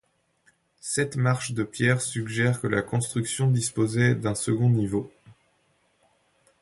Sept marches de pierre suggèrent que la construction disposait d’un second niveau.